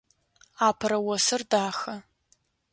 Апэрэ осыр дахэ.